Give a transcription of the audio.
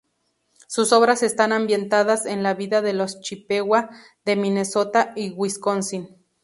Sus obras están ambientadas en la vida de los chippewa de Minnesota y Wisconsin.